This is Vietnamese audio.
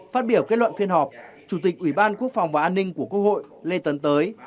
phát biểu kết luận phiên họp chủ tịch ủy ban quốc phòng và an ninh của quốc hội lê tấn tới